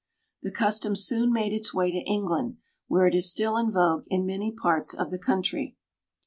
The custom soon made its way to England where it is still in vogue in many parts of the country.